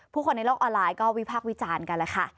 คนในโลกออนไลน์ก็วิพากษ์วิจารณ์กันแล้วค่ะ